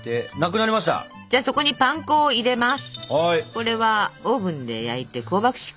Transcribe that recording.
これはオーブンで焼いて香ばしくしてあります。